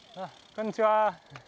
こんにちは。